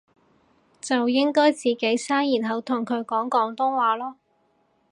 就應該自己生然後同佢講廣東話囉